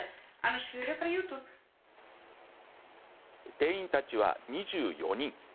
定員たちは２４人。